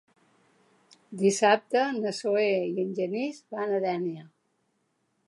Dissabte na Zoè i en Genís van a Dénia.